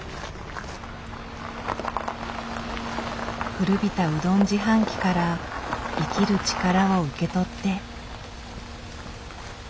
古びたうどん自販機から生きる力を受け取って。